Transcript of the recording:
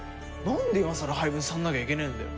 んで今さら廃部にされなきゃいけねえんだよ。